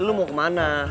lo mau kemana